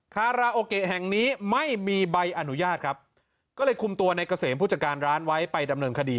คาราโอเกะแห่งนี้ไม่มีใบอนุญาตครับก็เลยคุมตัวในเกษมผู้จัดการร้านไว้ไปดำเนินคดี